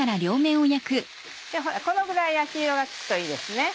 このぐらい焼き色がつくといいです。